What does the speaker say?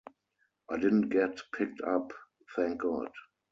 It didn't get picked up, thank God.